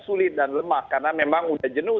sulit dan lemah karena memang udah jenuh